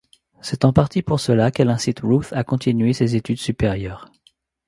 C'est en partie pour cela, qu'elle incite Ruth a continuer ses études supérieures.